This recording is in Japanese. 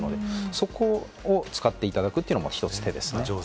そこを使っていただくのも１つ手です。